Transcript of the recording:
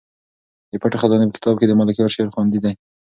د پټې خزانې په کتاب کې د ملکیار شعر خوندي دی.